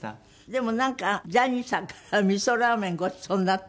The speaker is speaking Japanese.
でもなんかジャニーさんからみそラーメンごちそうになったっていうのは。